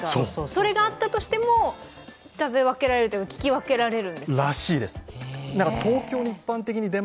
それがあったとしても食べ分けられるというか利き分けられるんですか？